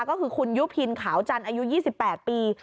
ก็คือคุณยุพินขาวจันทร์อายุ๒๘ปี